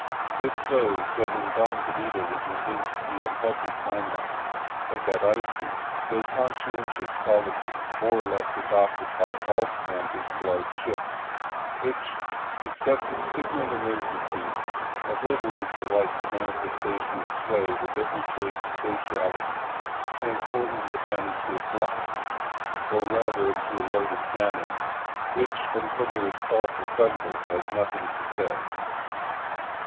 If so, then here was evinced the unhealthy climax of that icy though conscientious policy, more or less adopted by all commanders of large ships, which, except in signal emergencies, obliterates alike the manifestation of sway with every trace of sociality; transforming the man into a block, or rather into a loaded cannon, which, until there is call for thunder, has nothing to say.